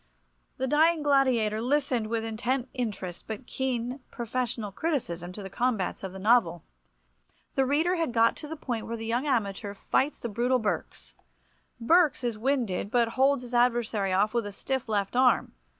The dying gladiator listened with intent interest but keen, professional criticism to the combats of the novel. The reader had got to the point where the young amateur fights the brutal Berks. Berks is winded, but holds his adversary off with a stiff left arm.